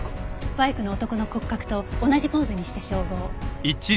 バイクの男の骨格と同じポーズにして照合。